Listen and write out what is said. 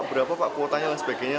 berapa pak kuotanya dan sebagainya